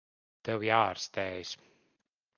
Tev jāārstējas.